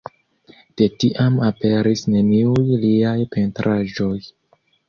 De tiam aperis neniuj liaj pentraĵoj.